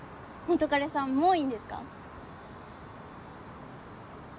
彼さんもういいんですか？